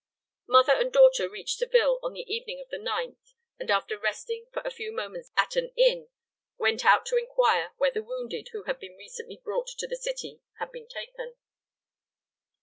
Mother and daughter reached Seville on the evening of the 9th, and after resting for a few moments at an inn, went out to inquire where the wounded, who had been recently brought to the city, had been taken.